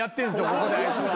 ここであいつは。